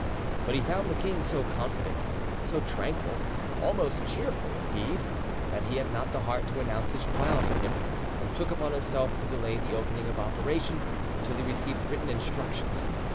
But he found the king so confident, so tranquil, almost cheerful indeed, that he had not the heart to announce his trial to him, and took upon himself to delay the opening of operation until he received written instructions.